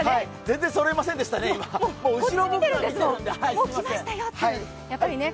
全然そろいませんでしたね。